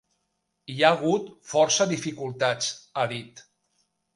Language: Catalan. Hi ha hagut força dificultats, ha dit.